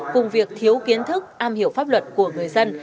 cùng việc thiếu kiến thức am hiểu pháp luật của người dân